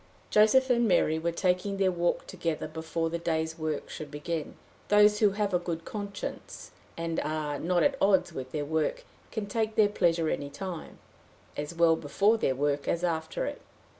Joseph and Mary were taking their walk together before the day's work should begin. Those who have a good conscience, and are not at odds with their work, can take their pleasure any time as well before their work as after it.